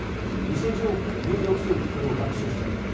偽情報を入力するとそれを学習しちゃうから。